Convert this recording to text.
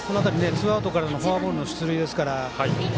ツーアウトからのフォアボールの出塁ですから。